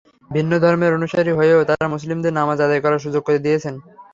ভিন্ন ধর্মের অনুসারী হয়েও তাঁরা মুসলিমদের নামাজ আদায় করার সুযোগ করে দিয়েছেন।